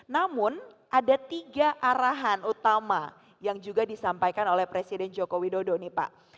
namun ada tiga arahan utama yang juga disampaikan oleh presiden jokowi dodo ini pak